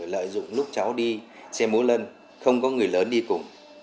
lợi dụng lúc cháu đi xe múa lân không có người lớn đi cùng